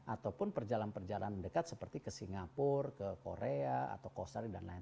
ataupun perjalan perjalan dekat seperti ke singapura korea atau kosovo dan lain lain